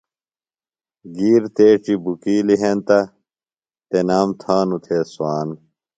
گِیر تیڇیۡ بُکِیلہ ہینتہ، تنام تھانوۡ تھےۡ صوان